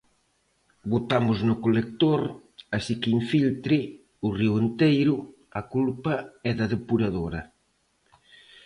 Botamos no colector, así que infiltre, o río enteiro, a culpa é da depuradora.